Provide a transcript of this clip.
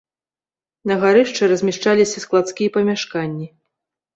На гарышчы размяшчаліся складскія памяшканні.